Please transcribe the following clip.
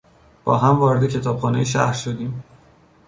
با هم وارد کتابخانهی شهر شدیم.